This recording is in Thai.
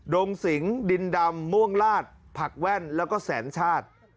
งสิงดินดำม่วงลาดผักแว่นแล้วก็แสนชาติ